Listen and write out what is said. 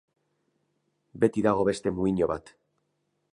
Beti dago beste muino bat.